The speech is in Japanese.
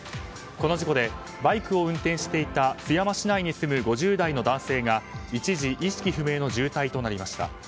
この事故でバイクを運転していた津山市内に住む５０代の男性が一時意識不明の重体となりました。